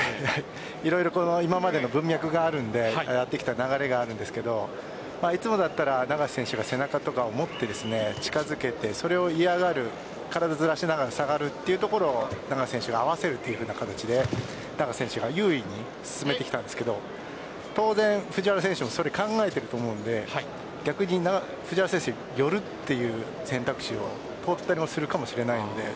いろいろ今までの文脈があるのでやってきた流れがあるんですけどいつもだったら永瀬選手が背中を持って近づけてそれを嫌がる、体をずらしながら下がるというところ永瀬選手が合わせるという形で優位に進めてきたんですが当然、藤原選手も考えていると思うので逆に藤原選手寄るという選択肢を取って取るかもしれないです。